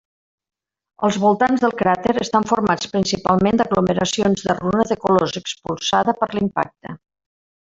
Els voltants del cràter estan formats principalment d'aglomeracions de runa de colors expulsada per l'impacte.